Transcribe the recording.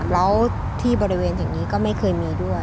แล้วที่บริเวณอย่างนี้ก็ไม่เคยมีด้วย